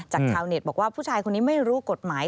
ชาวเน็ตบอกว่าผู้ชายคนนี้ไม่รู้กฎหมาย